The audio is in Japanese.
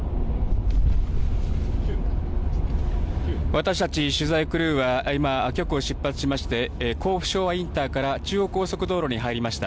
私たち、取材クルーは今、局を出発しまして、甲府昭和インターから中央高速道路に入りました。